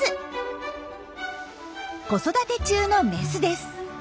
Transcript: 子育て中のメスです。